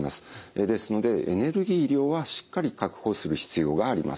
ですのでエネルギー量はしっかり確保する必要があります。